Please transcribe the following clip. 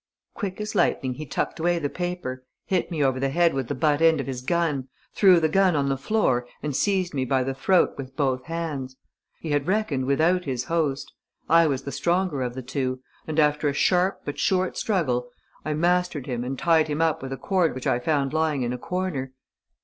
Quick as lightning, he tucked away the paper, hit me over the head with the butt end of his gun, threw the gun on the floor and seized me by the throat with both hands. He had reckoned without his host. I was the stronger of the two; and after a sharp but short struggle, I mastered him and tied him up with a cord which I found lying in a corner